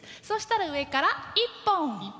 そしたら上から１本！